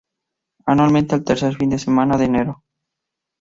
Anualmente el tercer fin de semana de enero.